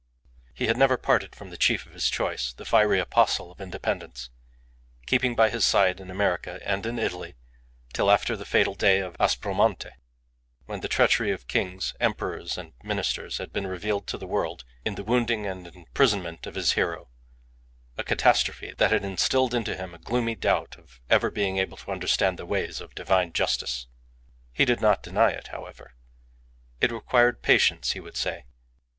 He had never parted from the chief of his choice the fiery apostle of independence keeping by his side in America and in Italy till after the fatal day of Aspromonte, when the treachery of kings, emperors, and ministers had been revealed to the world in the wounding and imprisonment of his hero a catastrophe that had instilled into him a gloomy doubt of ever being able to understand the ways of Divine justice. He did not deny it, however. It required patience, he would say.